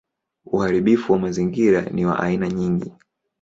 Uharibifu wa mazingira ni wa aina nyingi.